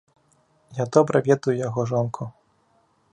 Я добра ведаю яго жонку.